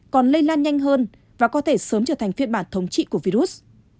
còn lây lan nhanh hơn và có thể sớm trở thành phiên bản thống trị của virus